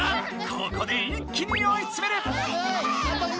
ここで一気においつめる！